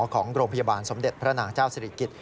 ของโรงพยาบาลสมเด็จพระนางเจ้าศิริกิจ